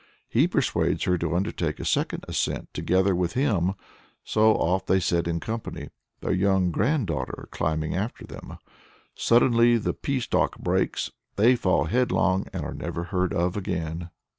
He persuades her to undertake a second ascent together with him, so off they set in company, their young granddaughter climbing after them. Suddenly the pea stalk breaks, they fall headlong and are never heard of again.